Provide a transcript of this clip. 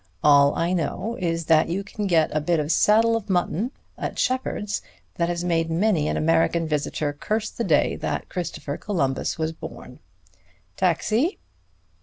All I know is that you can get a bit of saddle of mutton at Sheppard's that has made many an American visitor curse the day that Christopher Columbus was born.... Taxi!"